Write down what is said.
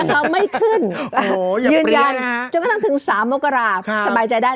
อ๋อวัยนะครับไม่ขึ้นเยี่ยมนะคะจนกระตั้งถึง๓โลกการาค่ะสบายใจได้